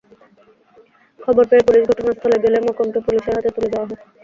খবর পেয়ে পুুলিশ ঘটনাস্থলে গেলে মকনকে পুলিশের হাতে তুলে দেওয়া হয়।